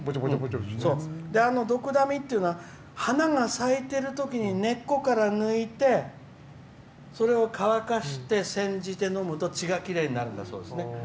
あの、どくだみっていうのは花が咲いているときに根っこから抜いてそれを乾かしてせんじて飲むと血がきれいになるんだそうです。